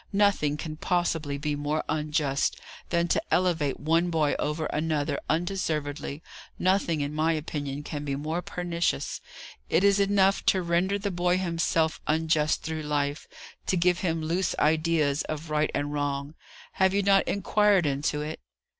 "Nothing can possibly be more unjust, than to elevate one boy over another undeservedly; nothing, in my opinion, can be more pernicious. It is enough to render the boy himself unjust through life; to give him loose ideas of right and wrong. Have you not inquired into it?"